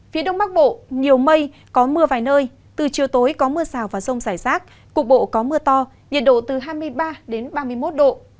phía đông bắc bộ nhiều mây có mưa vài nơi từ chiều tối có mưa rào và rông rải rác cục bộ có mưa to nhiệt độ từ hai mươi ba đến ba mươi một độ